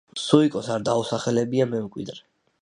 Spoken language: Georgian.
სუიკოს არ დაუსახელებია მემკვიდრე.